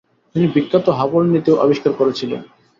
তিনি বিখ্যাত হাবল নীতিও আবিষ্কার করেছিলেন।